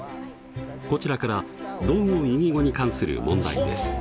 こちらから同音異義語に関する問題です。